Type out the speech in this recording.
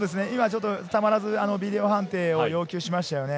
たまらずビデオ判定を要求しましたね。